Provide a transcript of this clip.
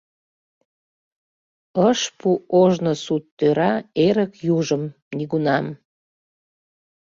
Ыш пу ожно сут тӧра Эрык южым нигунам.